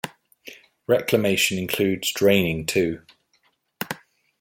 Reclamation includes draining, too.